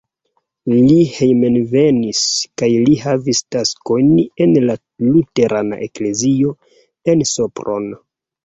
Li hejmenvenis kaj li havis taskojn en la luterana eklezio en Sopron.